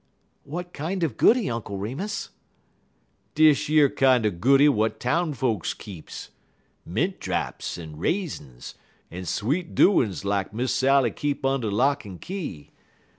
"What kind of goody, Uncle Remus?" "Dish yer kinder goody w'at town folks keeps. Mint draps and reezins, en sweet doin's lak Miss Sally keep und' lock en key.